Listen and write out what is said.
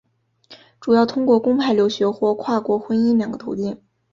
主要通过公派留学或跨国婚姻两个途径。